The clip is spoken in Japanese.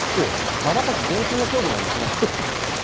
まばたき厳禁の競技なんです。